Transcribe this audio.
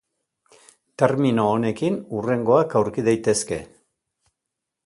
Termino honekin hurrengoak aurki daitezke.